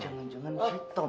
hai cok di sini